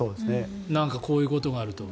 なんかこういうことがあると。